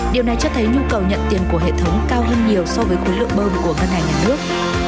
điều này cho thấy nhu cầu nhận tiền của hệ thống cao hơn nhiều so với khối lượng bơm của ngân hàng nhà nước